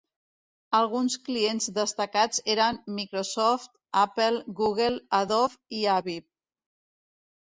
Alguns clients destacats eren Microsoft, Apple, Google, Adobe i Avid.